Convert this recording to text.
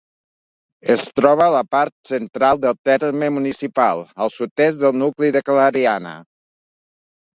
Es troba a la part central del terme municipal, al sud-est del nucli de Clariana.